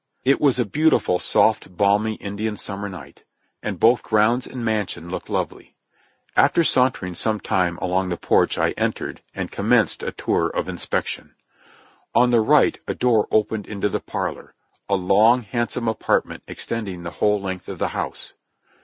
It was a beautiful, soft, balmy Indian summer night, and both grounds and mansion looked lovely. After sauntering some time along the porch I entered, and commenced a tour of inspection. On the right a door opened into the parlor, a long, handsome apartment extending the whole length of the house.